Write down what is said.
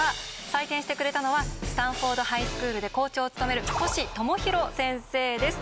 採点してくれたのはスタンフォードハイスクールで校長を務める星友啓先生です。